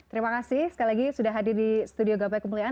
terima kasih sekali lagi sudah hadir di studio gapai kemuliaan